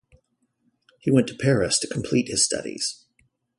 He went to Paris to complete his studies.